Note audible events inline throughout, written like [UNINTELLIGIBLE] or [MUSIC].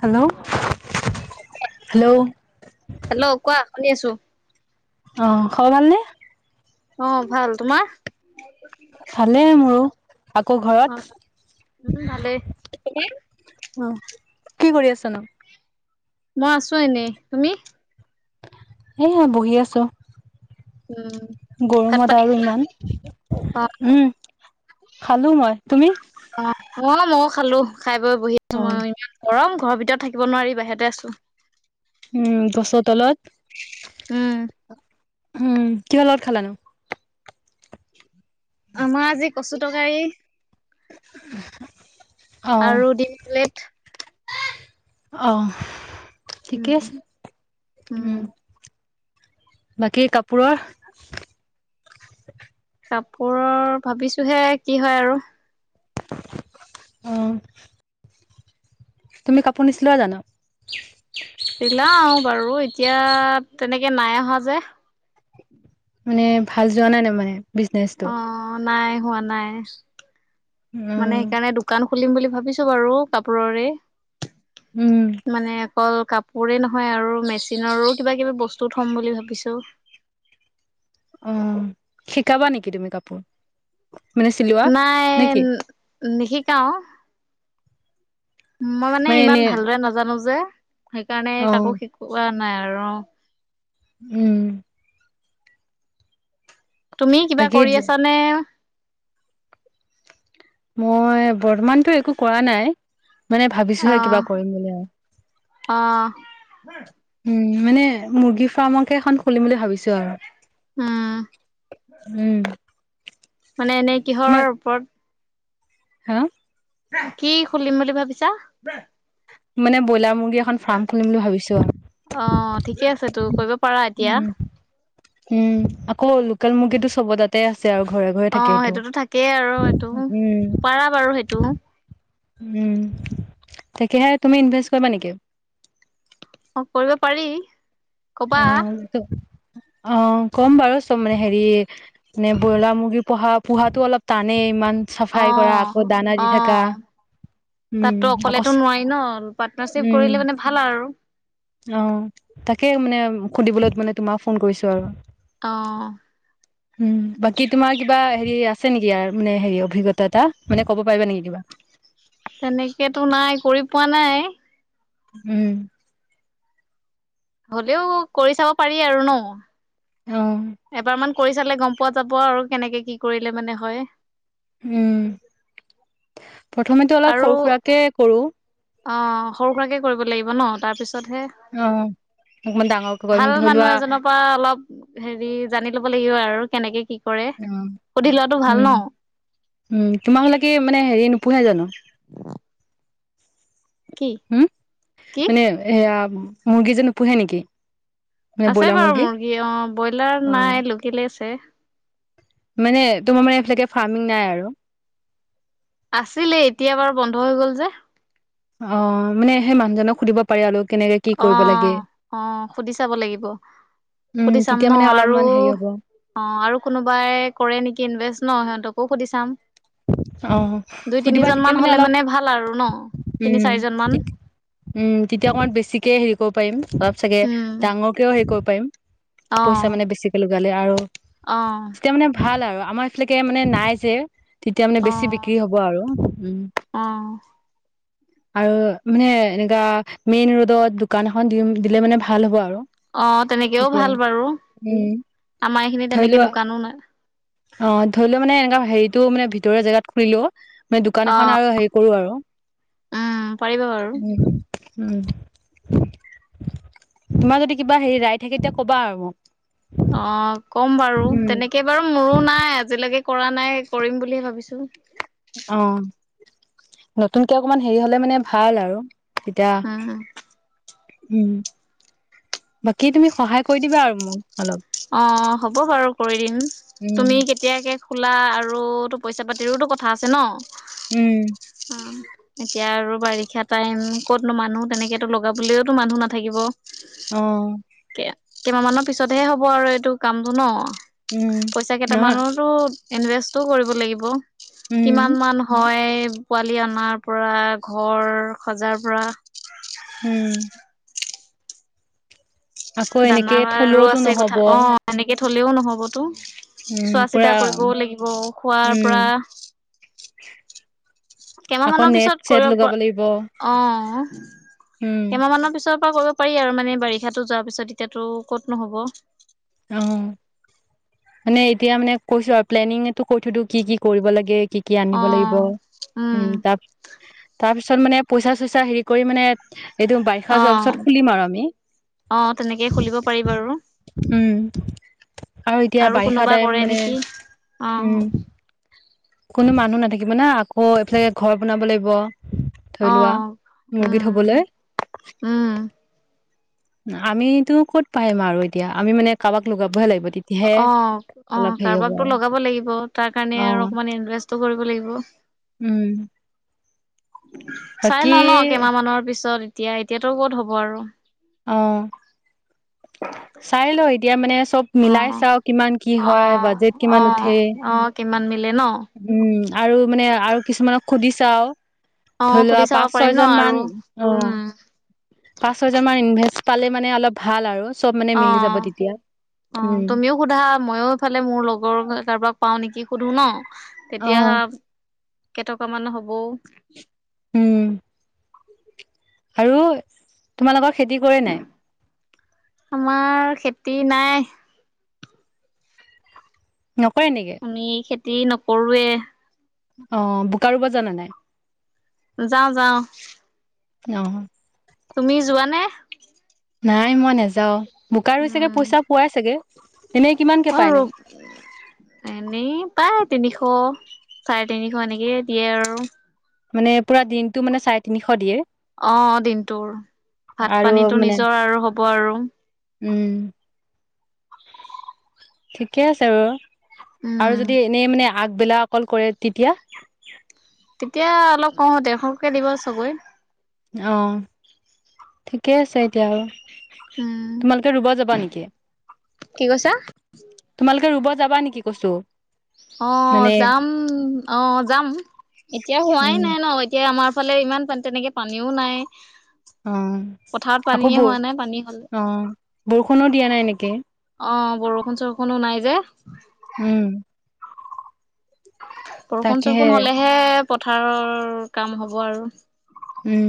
Hello [INAUDIBLE] hello কোৱা শুনি আছো অ', খব ভাল নে? অ' ভাল। তোমাৰ ভালে মোৰো। আকৌ অ ঘৰত মোৰ ভালেই অ' কি কৰি আছনো? মই আছো এনেই। তুমি? এহ বহি আছো উম ভাত গৰমত পানী আৰু ইমান অ উম খালো মই। তুমি অ অ ময়ো খালো। খাই বৈ বহি আছো অ মই। গৰম ঘৰৰ ভিতৰত থাকিব নোৱাৰি বাহিৰতে আছো উম গছৰ তলত। উম উম কিহৰ লগত খালাানো? আমাৰ আজি কচু তকাৰী। অ আৰু ডিম লেট। অহ উম ঠিকেই আছে, উম। বাকী কাপোৰৰ কাপোৰৰ ভাবিছো হে কি হয় আৰু। উম। তুমি কাপোৰ নিচিলোৱা জানো? চিলাও বাৰু এতিয়া তেনেকে নাই অহা যে। মানে ভাল যোৱা নাই তা মানে বিজনেচটো? অ নাই হোৱা নাই। মানে উম সেকাণে দোকান খুলিম বুলি ভাবিছো বাৰু কাপোৰৰে। উম মানে অকল কাপোৰে নহয় আৰু মেচিনৰো কিবা কিবি বস্তু থম বুলি ভাবিছো। উম শিকাবা নেকি তুমি কাপোৰ? মানে চিলোৱা নাই। নেকি নিশিকাও। মই মানে ইমান ভালদৰে নাজানো যে। সেকাৰণে অ কাকো শিকোৱা নাই আৰু। উম। তুমি কিবা বাকী কৰি আছানে? মই বৰ্তমানতো একো কৰা নাই মানে ভাবিছোহে কিবা অ', কৰিম বুলি আৰু। অ' উম মানে মুৰ্গী ফাৰ্মকে এখন খুলিম বুলি ভাবিছো আৰু উম, উম। মানে এনেই তোমাক কিহৰৰ ওপৰত? হা কি খুলিম বুলি ভাবিছা? মানে ব্ৰইলাৰ মুৰ্গী এখন ফাৰ্ম খুলিম বুলি ভাবিছো অ', আৰু। ঠিকে আছে তো কৰিব পাৰা এতিয়া? উম উম আকৌ লোকেল মুৰ্গীটো চবৰ তাতেই আছে আৰু ঘৰে ঘৰে থাকে অ', এইটো সেইটোতো থাকেই আৰু এইটো। উম পাৰা বাৰু সেইটো উম তাকেহে তুমি ইনভেষ্ট কৰিবা নেকি? অ কৰিব পাৰি। ক'বা অ ম অ ক'ম বাৰু চব মানে হেৰি মানে ব্ৰইলাৰ মুৰ্গী পোহা পোহাতো অলপ টানেই ইমান চাফাই কৰা আকৌ দানা দি থাককা। তাততো অকলেতো নোৱাৰি ন পাৰ্টনাৰশ্বিপ উম কৰিলে মানে ভাল আৰু। অ তাকে মানে সুধিবলৈ মানে তোমাক ফোন কৰিছো আৰু। অ উম বাকী তোমাৰ কিবা হেৰি আছে আছে নেকি আৰ মানে হেৰি অভিজ্ঞা এটা, মানে ক'ব পাৰিবা নেকি কিবা? তেনেকেতো নাই কৰি পোৱা নাই। উম। হলেও কৰি চাব পাৰি আৰু ন। অ এবাৰ মান কৰি চালে গম পোৱা যাব আৰু, কেনেকে কি কৰিলে মানে হয়। উম, প্ৰথমেতো অলপ আৰু সৰু সুৰাকে কৰো। অ সৰু সুৰাকে কৰিব লাগিব ন, তাৰ পিছত অ অকমান ডাঙৰকৈ কৰিম ভাল ধৰি লোৱা মানুহ এজনৰ পা অলপ, হেৰি জানি ল'ব লাগিব আৰু কেনেকে কি কৰে অ, উম, সুধি লোৱাটো ভাল ন উম, তোমাৰ হলে কি মানে হেৰি নোপোহে জানো? কি হম, কি মানে এয়া মুৰ্গী যে নোপোহে নেকি? মানে আছে ব্ৰইলাৰ বাৰু মুৰ্গী অ, ব্ৰইলাৰ অ নাই লোকেলে আছে। মানে তোমাৰ মানে এইফালে কে ফাৰ্মিং নাই আৰু। আছিলে, এতিয়া বাৰু বন্ধ হৈ গল যে। অ মানে সেই মানুহজনক সুধিব পাৰি আলোক। অ অ সুধি চাব লাগিব উম সুধি চাম তেতিয়া ন, মানে আৰু অলপমান হেৰি হ'ব অ আৰু কোনোবাই কৰে নেকি ইনভেষ্ট ন সিহঁত তকো সুধি চাম। অ দুই সুধিবা তিনিজন তেতিয়া মান হলে অলপ মানে ভাল আৰু ন, তিনি উম চাৰিজন মান। উম তেতিয়া অকণমান বেছিকে হেৰি কৰিব পাৰিম, অলপ চাগে উম ডাঙৰকেও হেৰি কৰিব পাৰিম। অ পইচা মানে বেছিকে লগালে আৰু অ তেতিয়া মানে ভাল আৰু আমাৰ [UNINTELLIGIBLE] মানে নাই যে তেতিয়া মানে অ বেছি বিক্ৰীৰ হ'ব আৰু উম। অ আৰু মানে এনেকা মেইন ৰোডত দোকান এখন দি দিলে মানে ভাল হ'ব আৰু অ' তেনেকেও তেতিয়া ভাল বাৰু উম আমাৰ এইখিনি ধৰি তেনেকে লোৱা দোকানো নাই অ' ধৰি লোৱা মানে এনেকা হেৰিতটো মানে ভিতৰোৱা জেগাত কৰিলোঁ মানে দোকান অ এখন আৰু হেৰি কৰোঁ আৰু পাৰিবা বাৰু উম। উম, তোমাৰ যদি কিবা হেৰি ৰায় থাকে, তেতিয়া কবা আৰু অ' কম বাৰু তেনেকে বাৰু মোৰো নাই আজিলৈকে কৰা নাই কৰিম বুলি ভাবিছোঁ? অ, নতুনকে অকমান হেৰি হলে মানে ভাল আৰু। উম। উম বাকী তুমি সহায় কৰি দিবা আৰু মোক। অলপ অ হ'ব বাৰু কৰি দিম তুমি কেতিয়াকে খোলা আৰু তো পইচা পাতিৰোতো কথা আছে ন। উম উম, এতিয়া আৰু বাৰিষা টাইম ক'তনো মানুহ তেনেকেতো লগাবলেওতো মানুহ নাথাকিব। অ। কেইমাহমানৰ পিছতহে হ'ব আৰু এইটো কামটো ন, উম পইচা নহয় কেইটামানৰোটো ইনভেষ্টটো কৰিব লাগিব, উম কিমানমান হয় সেই পোৱালি অনাৰ পৰা, ঘৰ সজাৰ পৰা উম। আকৌ এনেকে দানাৰো থলুৱতো আছে নহব কথা, অ এনেকে থলেও নহবতো উম চোৱা পুৰা চিতা কৰিবও লাগিব, খোৱাৰ উম পৰা আকৌ কেইমাহমানৰ নেট পিছত চেট কৰিব লগাব পৰা, লাগিব অ উম কেইমাহ মানৰ পিছত ত কৰিব পাৰি আৰু মানে বাৰিষাটো যোৱাৰ পিছত, এতিয়াতো কতনো হ'ব? অ। মানে এতিয়া মানে কৈছোঁ আৰু প্লেনিংটো কৈ থৈ দিওঁ, কি কি কৰিব লাগে? কি কি অ আনিব লাগিব, উম তাৰ তাৰপিছত তাৰ পিছত মানে পইচা চইচা হেৰি কৰি মানে এইটো বাৰিষা যোৱাৰ অ', পিছত খুলিম আৰু আমি। অ তেনেকে খুলিব পাৰি বাৰু। উম এতিয়া আৰু বাৰিষা কোনোবা টাইম কৰে মানে নেকি, অ। উম কোনো মানুহ নাথাকিব না, আকৌ এইফালে ঘৰ বনাব লাগিব। থৈ লোৱা, অ', মুৰ্গী উম, থ'বলৈ উম, আমিতো ক'ত পাইম আৰু এতিয়া আমি মানে কাৰোবাক লগাবহে লাগিব। তেতিয়াহে অ', অলপ অ', হেৰি হ'ব আৰু কাৰোবাকতটো লগাব লাগিব তাৰ কাৰণে অ আৰু অকমান ইনভেষ্টো কৰিব লাগিব। উম। চাই বাকী লওঁ ন, কেইমাহমানৰ পিছত এতিয়া, এতিয়াতো ক'ত হ'ব আৰু। অ। চাই ল এতিয়া মানে চব মিলাই অ', চাওঁ কিমান কি হয় বাজেট কিমান উঠে? ইমান মিলে ন। উম আৰু মানে আৰু কিছুমানক সুধি চাওঁ ধৰি অ', লোৱা সুধি চাব পাঁচ পাৰিম ছয় ন' জন আৰু মান, অ। উম, পাঁচ- ছয়জনমান ইনভেচ পালে মানে অলপ ভাল আৰু, চব মানে মিলি যাব অ', তেতিয়া। অ উম তুমিও সোধা মইও ইফালে মোৰ লগৰ কাৰোবাক পাওঁ নেকি সুধো ন? অ তেতিয়া কেইটকামান হ'বও। উম। আৰু, তোমালোকৰ খেতি কৰে নাই আমাৰ খেতি নাই। নকৰে নেকি? তি নকৰোঁৱে অ, বোকা ৰুব জানা নাই? যাওঁ যাওঁ। অ। তুমি যোৱানে? নাই মই নাযাওঁ, বোকা ৰুই চাগে পইচা পোৱাই চাগে? এনেই কিমানকে অ, আৰু, পায়নো এনেই পায় তিনিশ চাৰে তিনিশ এনেকেইে দিয়ে আৰু মানে পুৰা দিনটো মানে চাৰে তিনিশ দিয়ে। অ, দিনটোৰ ভাত আৰু পানীটো মানে নিজৰ আৰু হ'ব আৰু। উম, ঠিকে আছে [UNINTELLIGIBLE] আৰু উম যদি এনেই মানে আগবেলা অকল কৰে তেতিয়া? এতিয়া অলপ কওঁ দেৰ্শকে দিব চবৈ। অ, ঠিকেই আছে এতিয়া উম আৰু। তোমালোকে ৰুবা যাবা নেকি? কি কৈছা তোমালোকে ৰুব যাবা নেকি কৈছো? অ, মানে যাম - অ, যাম এতিয়া হোৱাই উম নাই ন'এতিয়া আমাৰ ফালে ইমান পান তেনেকে পানীও নাই। অ, পথাৰত আকৌ পানীয়ে ব' হোৱা নাই পানী হলে অ, বৰষুণো দিয়া নাই নেকি? অ, বৰষুণ চৰষুণো নাই যে। উম, তাকেহে বৰষুণ-চৰষুণ হলেহে পথাৰৰ কাম হ'ব আৰু। উম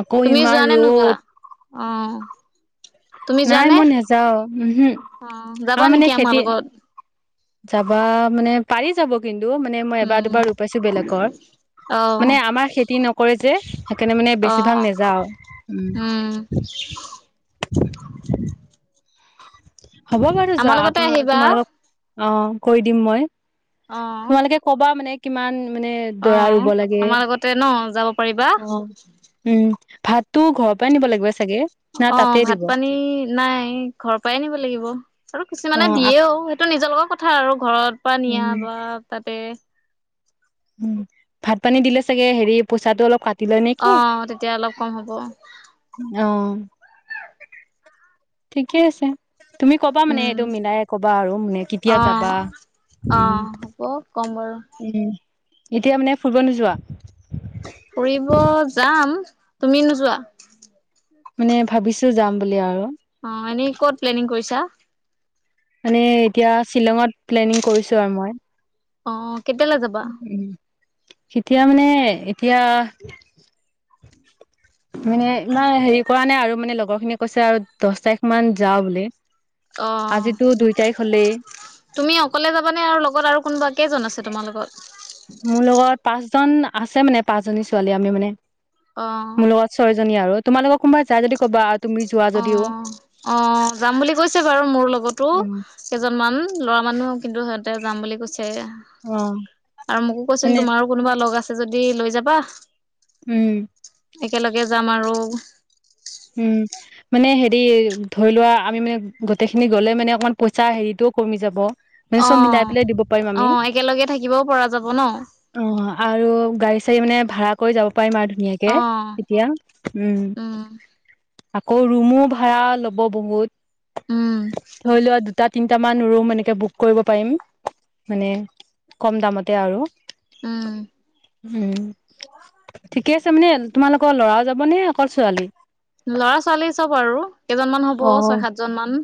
আকৌ ইমান যোৱা নে নোযোৱা ৰ'দ অ, নাই মই নেযাওঁ, উমহু অহ যাবা আৰু মানে নেকি আমাৰ খেতি লগত? যাবা মানে, পাৰি যাব কিন ন্তু মানে মই উম এবাৰ-দুবাৰ ৰুই পাইছো বেলেগৰ, অহ মানে আমাৰ খেতি নকৰে যে। সেইকাৰণে মানে বেছিভাগ অহ, নেযাও উম। [INAUDIBLE] হব বাৰু! যা আমাৰ লগতে আপনালোক আহিবা তোমালোক। অ' কৰি দিম মই। অহ তোমালোকে কবা মানে কিমান মানে দৰা অহ ৰুব লাগে, আমাৰ লগতে ন যাব পাৰিবা অ' উম। ভাতটো ঘৰ পৰাই নিব লাগিব চা অ' ভাত-পানী নাই ঘৰ পৰাই নিব লাগিব। আৰু অ কিছুমানে আক দিয়েও, সেইটো নিজৰ লগত কথা আৰু ঘৰত পৰা নিয়া উম বা তাতে। উম ভাত পানী দিলে চাগে হেৰি পইচাটো অলপ কাট অহ' তেতিয়া অলপ কম হ'ব। অ'। ঠিকে আছে তুমি কবা মানে উম এইটো মিলাই কবা আৰু। মানে কেতিয়া যাবা? উম অ' হ'ব কম বাৰু। উম এতিয়া মানে ফুৰব নোযোৱা? ফুৰিব যাম, তুমি নোযোৱা। মানে ভাবিছো যাম বুলি আৰু। অ' এনেই ক'ত প্লেনিং কৰিছা? মানে এতিয়া শ্বিলঙত প্লেনিং কৰিছো আৰু মই। অ' কেতিয়ালৈ যাবা? কেতিয়া মানে এতিয়া মানে ইমান হেৰি কৰা নাই আৰু মানে লগৰ খিনিয়ে কৈছে আৰু দচ তাৰিখ মান যাও বুলি অ আজিতো দুই তাৰিখ হলেই তুমি অকলে যাবানে আৰু লগত আৰু কোনোবা কেইজন আছে তোমাৰ লগত মোৰ লগত পাঁচজন আছে মানে পাঁচ জনী ছোৱালী আমি মানে অ মোৰ লগত ছয়জনী আৰু তোমাল লগৰ কোনোবা যাই যদি ক'বা তুমি যোৱা অ যদিও অ যাম বুলি কৈছে বাৰু মোৰ লগতো উম কেইজনমান ল'ৰা মানুহ কিন্তু সিহতে যাম বুলি কৈছে অ আৰু মোকো কৈছিল মানে তোমাৰো কোনোবা লগ আছ ছে যদি লৈ যাবা উম একেলগে যাম আৰু উম মানে হেৰি ধৰি লোৱা আমি মানে গোটেইখিনি গ'লে মানে অকমান পইচা হেৰিটো কমি যাব মানে অ চব মিলাই পেলাই দিব পাৰিম অ আমি একেলগে থাকিবও পৰা যাব ন অ আৰু গাড়ী চাৰী মানে ভাড়া কৰি যাব পাৰিম আৰু ধুনীয়াকে অ এতিয়া উম আকৌ ৰুমো ভাড়া লব বহুত উম ধৰি লোৱা দুটাত তিনটামান ৰুম এনেকে বুক কৰিব পাৰিম মানে কম দামতে আৰু উম উম ঠিকে আছে মানে তোমালোকৰ ল'ৰাও যাবনে অকল ছোৱালী ল'ৰা ছোৱালী চব আৰু কেইজনমান হ'ব অ ছয় সাতজন মান।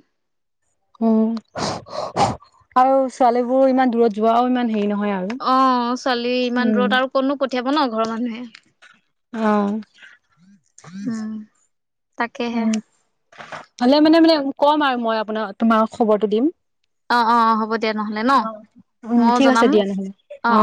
উম আৰু ছোৱালী বোৰ ইমান দূৰত যোৱাও ইমান হেৰি নহয় আৰু অ ছোৱালী ইমান দূৰত আৰু কতনো পঠিয়াব ন ঘৰৰ মানুহে। অঁ উম তাকেহে হলে মানে মানে ক'ম আৰু মই আপোনাৰ তোমাৰ খবৰটো দিম অ অ অ হ'ব দিয়া নহ'লে ন অ উম ময়ো ঠিক আছে জনাম দিয়া নহলে অ।